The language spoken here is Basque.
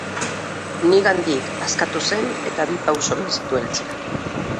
Nigandik askatu zen eta bi pauso eman zituen atzera.